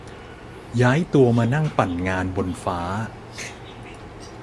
ย้ายตัวมานั่งปั่นงานบนฟ้า